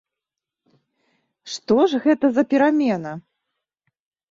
Што ж гэта за перамена?